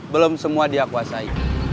belum semua dia kuasai